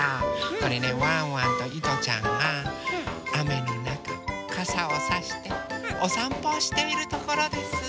これねワンワンといとちゃんがあめのなかかさをさしておさんぽをしているところです。